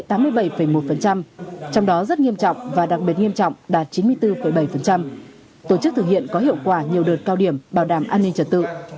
trong đó rất nghiêm trọng và đặc biệt nghiêm trọng đạt chín mươi bốn bảy tổ chức thực hiện có hiệu quả nhiều đợt cao điểm bảo đảm an ninh trật tự